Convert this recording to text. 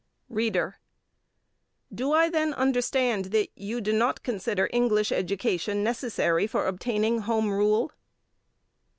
READER: Do I then understand that you do not consider English education necessary for obtaining Home Rule?